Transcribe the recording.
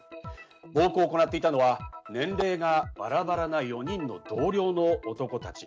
暴行を行っていたのは年齢がバラバラな４人の同僚の男たち。